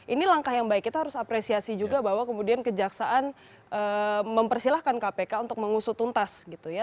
ini langkah yang baik kita harus apresiasi juga bahwa kemudian kejaksaan mempersilahkan kpk untuk mengusut tuntas gitu ya